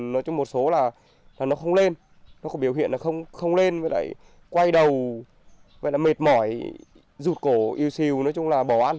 nói chung một số là nó không lên nó có biểu hiện là không lên với lại quay đầu gọi là mệt mỏi rụt cổ yêu siêu nói chung là bỏ ăn